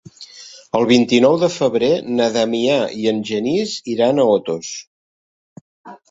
El vint-i-nou de febrer na Damià i en Genís iran a Otos.